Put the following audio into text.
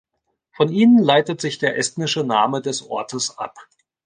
Von ihnen leitet sich der estnische Name des Ortes ab.